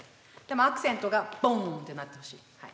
アクセントがボーンってなってほしい。